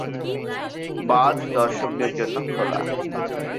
বাঁধ দর্শকদের জন্য খোলা।